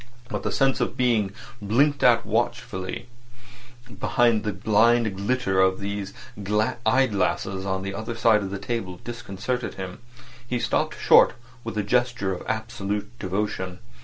But the sense of being blinked at watchfully behind the blind glitter of these eye glasses on the other side of the table disconcerted him. He stopped short with a gesture of absolute devotion.